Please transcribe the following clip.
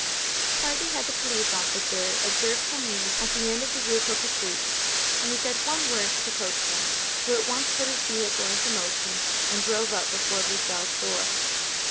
Hardly had the police officer observed Comminges at the end of the Rue Cocatrix when he said one word to the coachman, who at once put his vehicle into motion and drove up before Broussel's door.